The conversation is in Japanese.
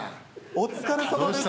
お疲れさまです。